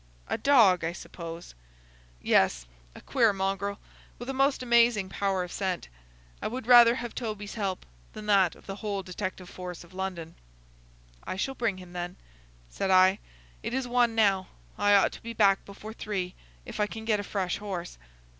"A dog, I suppose." "Yes,—a queer mongrel, with a most amazing power of scent. I would rather have Toby's help than that of the whole detective force of London." "I shall bring him, then," said I. "It is one now. I ought to be back before three, if I can get a fresh horse."